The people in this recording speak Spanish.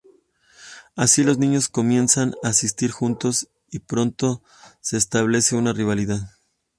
Así, los niños comienzan a asistir juntos, y pronto se establece una rivalidad.